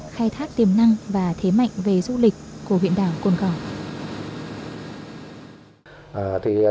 khai thác tiềm năng và thế mạnh về du lịch của huyện đảo cồn cỏ